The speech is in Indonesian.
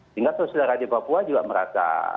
sehingga saudara di papua juga merasa